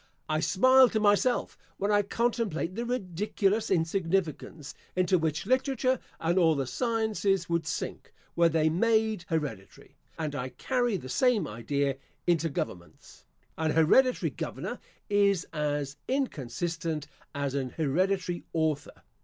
I smile to myself when I contemplate the ridiculous insignificance into which literature and all the sciences would sink, were they made hereditary; and I carry the same idea into governments. An hereditary governor is as inconsistent as an hereditary author.